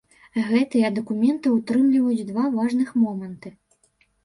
Гэтыя дакументы ўтрымліваюць два важных моманты.